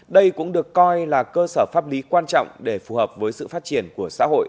đây cũng được coi là cơ sở pháp lý quan trọng để phù hợp với sự phát triển của xã hội